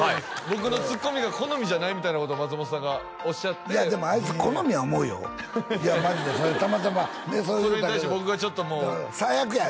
僕のツッコミが好みじゃないみたいなことを松本さんがおっしゃってあいつ好みや思うよいやマジでそれたまたまそれに対して僕がちょっともう「最悪や！」